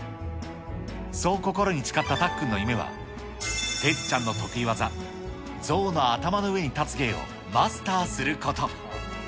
そう心に誓ったたっくんの夢は、てっちゃんの得意技、象の頭の上に立つ芸をマスターすること。